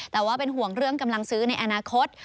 แต่ว่าเป็นห่วงเรื่องกำลังซื้อในอนาคต